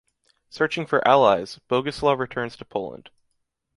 Searching for allies, Boguslaw returns to Poland.